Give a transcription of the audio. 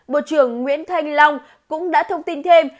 bộ trưởng nguyễn thanh long cũng đã thông tin thêm